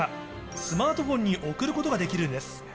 スマートフォンに送ることができるんです。